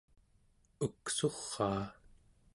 uksuraa